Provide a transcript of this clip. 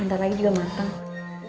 ntar lagi juga mateng